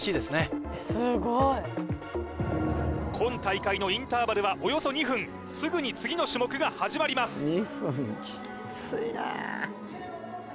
すごい今大会のインターバルはおよそ２分すぐに次の種目が始まります